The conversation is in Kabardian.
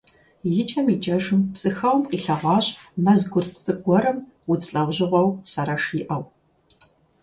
ИкӀэм икӀэжым, Псыхэуэм къилъэгъуащ мэз гъурц цӀыкӀу гуэрым удз лӀэужьыгъуэу сэрэш иӀэу.